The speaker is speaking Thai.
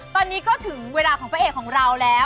ตอนนี้ก็ถึงเวลาของพระเอกของเราแล้ว